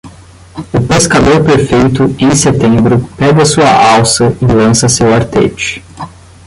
O pescador perfeito, em setembro, pega sua alça e lança seu artete.